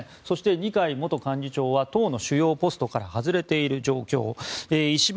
そして、二階元幹事長は党の主要ポストから外れている状況です。